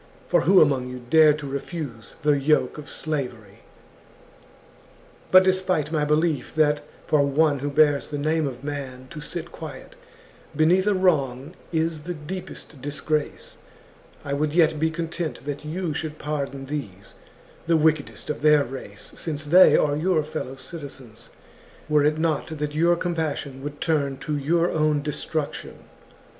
For who among you dared to refuse the yoke of slavery ?" But, despite my belief that for one who bears the name of man to sit quiet beneath a wrong is the deep est disgrace, I would yet be content that you should pardon these, the wickedest of their race, since they are your fellow citizens, were it not that your com passion would turn to your own destruction.